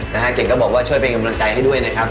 เก่งก็บอกว่าช่วยเป็นกำลังใจให้ด้วยนะครับ